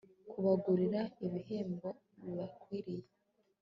kubagurira abihembo bibakwiriye